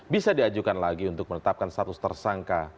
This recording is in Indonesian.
bisa diajukan lagi untuk menetapkan status tersangka